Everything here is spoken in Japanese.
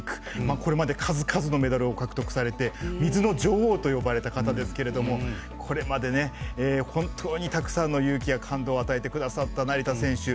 これまで数々のメダルを獲得されて水の女王と呼ばれた方ですがこれまで、本当にたくさんの勇気や感動を与えてくださった成田選手。